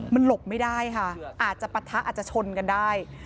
มันหลบไม่ได้ค่ะอาจจะปะทะอาจจะชนกันได้